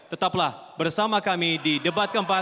tetaplah bersama kami di debat keempat